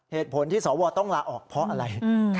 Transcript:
เหตุผลที่สวต้องลาออกเพราะอะไร